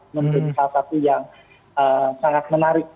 menjadi salah satu yang sangat menarik gitu ya